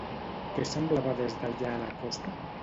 Què semblava des d'allà la costa?